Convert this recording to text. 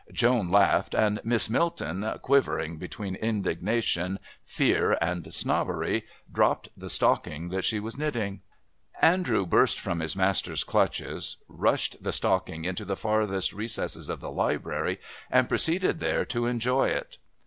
Joan laughed, and Miss Milton, quivering between indignation, fear and snobbery, dropped the stocking that she was knitting. Andrew burst from his master's clutches, rushed the stocking into the farthest recesses of the Library, and proceeded there to enjoy it.